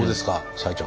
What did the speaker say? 社長。